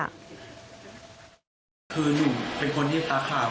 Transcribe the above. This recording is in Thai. มันก็ยี่บีวันก็สั่นค่ะ